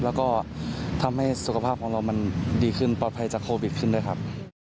แล้วก็ทำให้สุขภาพของเรามันดีขึ้นปลอดภัยจากโควิดขึ้นด้วยครับ